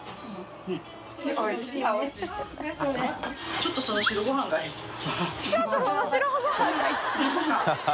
「ちょっとその白ごはんがいい」